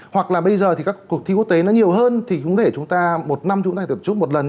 hoặc là bây giờ thì các cuộc thi quốc tế nó nhiều hơn thì chúng ta một năm chúng ta hãy tự chúc một lần